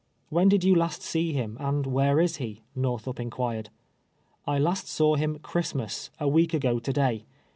'' When did you last see him, and where is he?" jSorthup in({uircd. '• I hist saw him Christmas, a week ago to day.